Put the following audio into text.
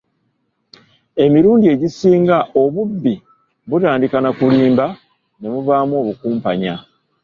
Emirundi egisinga obubbi butandika nakulimbalimba, ne muvaamu okukumpanya.